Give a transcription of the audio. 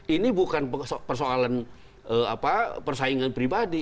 ini bukan persoalan persaingan pribadi